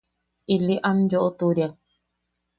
Ili am yoʼoturiak.